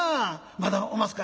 まだおますか？」。